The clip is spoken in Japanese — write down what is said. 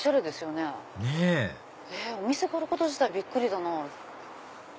ねぇお店があること自体びっくりだな。